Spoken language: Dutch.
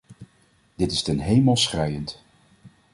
Dit is ten hemel schreiend.